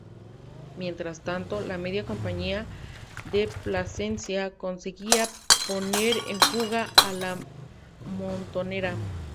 Mientras tanto, la media compañía de Plasencia conseguía poner en fuga a la montonera.